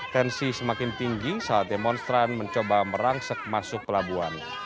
tensi semakin tinggi saat demonstran mencoba merangsek masuk pelabuhan